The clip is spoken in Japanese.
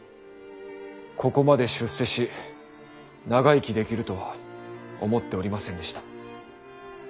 ここまで出世し長生きできるとは思っておりませんでした。